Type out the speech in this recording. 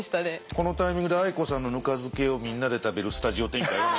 このタイミングであい子さんのぬか漬けをみんなで食べるスタジオ展開はない？